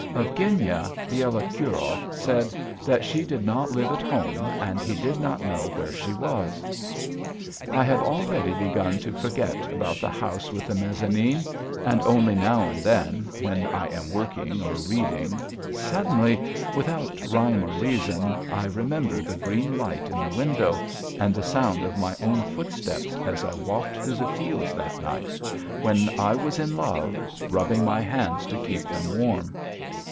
Of Genya Bielokurov said that she did not live at home and he did not know where she was. I have already begun to forget about the house with the mezzanine, and only now and then, when I am working or reading, suddenly without rhyme or reason I remember the green light in the window, and the sound of my own footsteps as I walked through the fields that night, when I was in love, rubbing my hands to keep them warm.